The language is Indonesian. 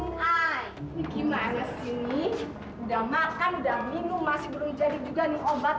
ini gimana sih udah makan udah minum masih belum jadi juga nih obat